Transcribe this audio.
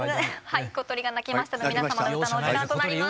はい小鳥が鳴きましたので皆さまの歌のお時間となります。